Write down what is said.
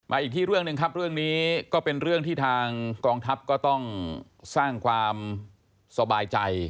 อีกที่เรื่องหนึ่งครับเรื่องนี้ก็เป็นเรื่องที่ทางกองทัพก็ต้องสร้างความสบายใจ